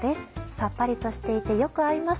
さっぱりとしていてよく合います。